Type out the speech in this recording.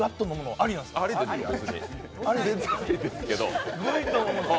ありですけど。